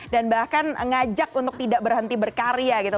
dan bahkan ngajak untuk tidak berhenti berkarya gitu